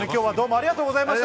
ありがとうございます。